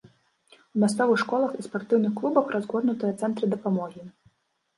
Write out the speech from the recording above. У мясцовых школах і спартыўных клубах разгорнутыя цэнтры дапамогі.